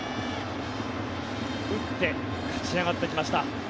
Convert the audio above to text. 打って、勝ち上がってきました。